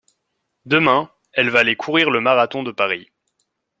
Demain, elle va aller courir le marathon de Paris.